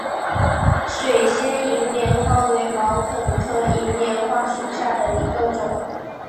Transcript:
水仙银莲花为毛茛科银莲花属下的一个种。